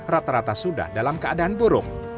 rata rata sudah dalam keadaan buruk